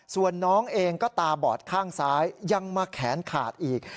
ส่วนน้องเองก็ตาบอดข้างซ้ายยังมาแขนขาดอีก